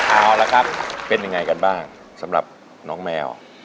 เอาละครับเป็นยังไงกันบ้างสำหรับน้องแมว